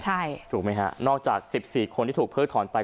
ใช่ถูกไหมฮะนอกจาก๑๔คนที่ถูกเพิกถอนไป